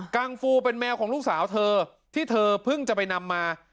ังฟูเป็นแมวของลูกสาวเธอที่เธอเพิ่งจะไปนำมา